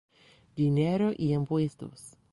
Dinero e impuestos